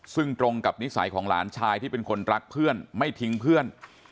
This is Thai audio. ซึ่งตรงกับนิสัยของหลานชายที่เป็นคนรักเพื่อนไม่ทิ้งเพื่อน